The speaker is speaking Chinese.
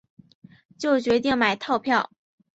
就决定买套票